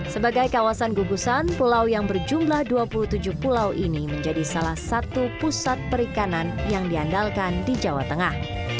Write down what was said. sebagai kawasan gugusan pulau yang berjumlah dua puluh tujuh pulau ini menjadi salah satu pusat perikanan yang diandalkan di jawa tengah